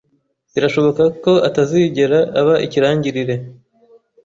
Birashoboka ko atazigera aba ikirangirire.